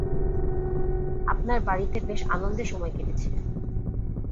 আপনার বাড়িতে বেশ আনন্দে সময় কেটেছে।